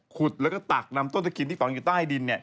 ขุดแล้วก็ตักนำต้นตะเคียนที่ฝังอยู่ใต้ดิน